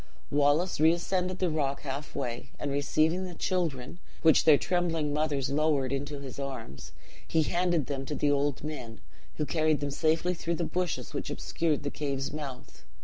"Wallace reascended the rock half way; and receiving the children, which their trembling mothers lowered into this arms, he handed them to the old men, who carried them safely through the bushes which obscured the cave's mouth.